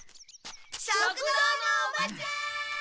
食堂のおばちゃん！